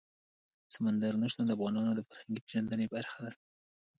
سمندر نه شتون د افغانانو د فرهنګي پیژندنې برخه ده.